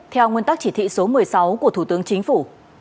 theo nguyên tắc chỉ thị số một mươi sáu của thủ tướng chính phủ